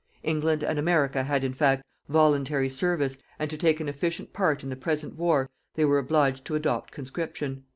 England and America had, in effect, voluntary service, and, to take an efficient part in the present war, they were obliged to adopt conscription.